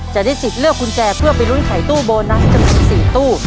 จะได้สิทธิ์เลือกกุญแจเพื่อไปลุ้นไขตู้โบนัสจำนวน๔ตู้